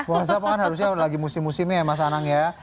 bangsa kan harusnya lagi musim musimnya ya mas anang ya